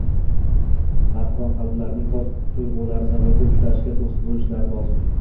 Navqiron qalblarning pok tuyg‘ulari zavolga uchrashiga to‘siq bo‘lishlari lozim.